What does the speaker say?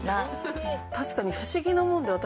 確かに不思議なもので私